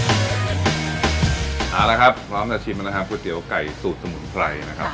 เอาละครับพร้อมจะชิมนะครับก๋วยเตี๋ยวไก่สูตรสมุนไพรนะครับ